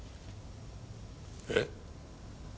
えっ？